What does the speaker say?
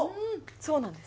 そうなんです